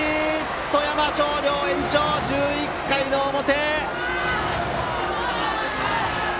富山商業、延長１１回の表！